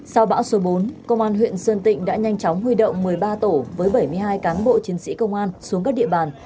sau bão số bốn công an huyện sơn tịnh đã nhanh chóng huy động một mươi ba tổ với bảy mươi hai cán bộ chiến sĩ công an xuống các địa bàn